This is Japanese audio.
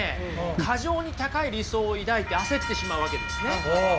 過剰に高い理想を抱いて焦ってしまうわけですね。